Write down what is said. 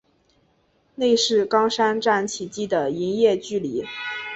内是冈山站起计的营业距离。